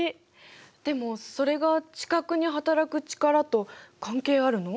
でもそれが地殻にはたらく力と関係あるの？